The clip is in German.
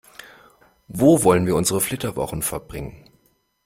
Wo wollen wir unsere Flitterwochen verbringen?